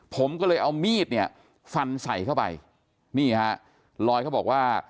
ผมก็เลยเอามีดเนี่ยฟันใส่เข้าไปนี่ฮะลอยเขาบอกว่า